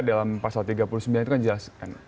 dalam pasal tiga puluh sembilan itu kan dijelaskan